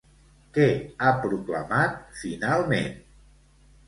Què ha proclamat, finalment?